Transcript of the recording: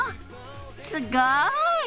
すごい！